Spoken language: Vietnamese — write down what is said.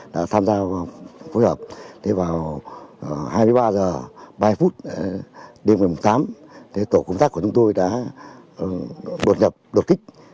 đã tham gia phối hợp vào hai mươi ba h ba mươi đêm một mươi tám h tổ công tác của chúng tôi đã đột nhập đột kích